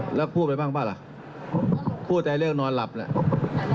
เพราะว่าด้านทำโครงข้างสุดนี้นายกรัฐมนตรีปรร